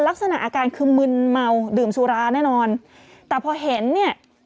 ลักษณะอาการคือมึนเมาดื่มสุราแน่นอนแต่พอเห็นเนี่ย